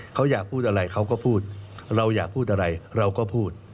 เขาอยากพูดอะไรเขาก็พูดเราอยากพูดอะไรเราก็พูด